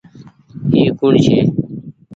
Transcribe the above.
اي ڪوڻ ڇي۔